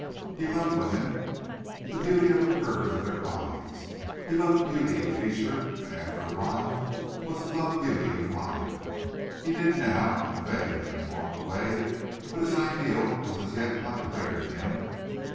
He loved women, the beauty of the curves of their bodies. He loved beauty of feature and after a while was to love beauty of mind, he did now, in a vague, unformed way, but his ideal was as yet not clear to him.